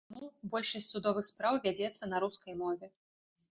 Таму большасць судовых спраў вядзецца на рускай мове.